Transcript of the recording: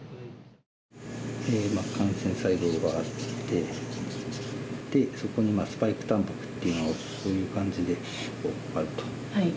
感染細胞があって、そこにスパイクたんぱくというのがこういう感じであると。